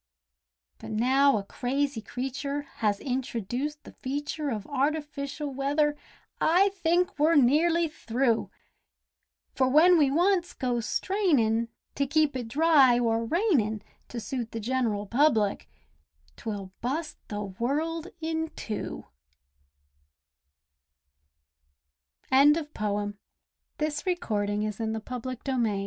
But now a crazy creature has introduced the feature Of artificial weather, I think we're nearly through. For when we once go strainin' to keep it dry or rainin' To suit the general public, 'twill bust the world in two, WAS, IS, AND YET TO BE Was, Is, and Yet to Be